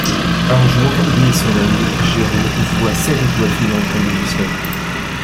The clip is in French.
Un jour lui et son ami Gero voient sept étoiles filantes tomber du Ciel.